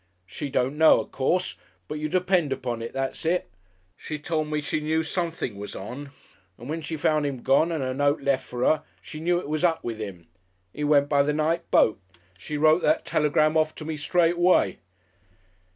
"She don't know, of course, but you depend upon it that's it. She told me she knew something was on, and when she found 'im gone and a note lef' for her she knew it was up with 'im. 'E went by the night boat. She wrote that telegram off to me straight away."